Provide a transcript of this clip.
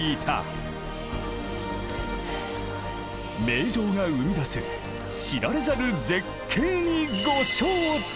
名城が生み出す知られざる絶景にご招待！